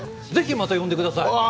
ぜひ、また呼んでください！